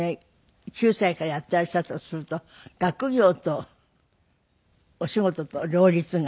９歳からやっていらっしゃるとすると学業とお仕事と両立が。